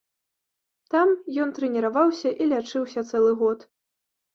Там ён трэніраваўся і лячыўся цэлы год.